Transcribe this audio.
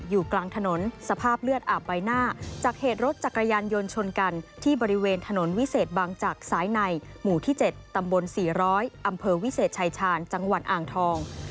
อยู่กลางถนนสภาพเลือดอาบใบหน้าจากเหตุรถจักรยานยนต์ชนกันที่บริเวณถนนวิเศษบางจักรสายในหมู่ที่๗ตำบล๔๐๐อำเภอวิเศษชายชาญจังหวัดอ่างทอง